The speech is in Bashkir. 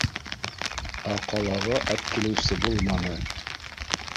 Ә ҡалаға әпкилеүсе булманы.